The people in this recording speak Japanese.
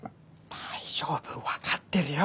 大丈夫わかってるよ！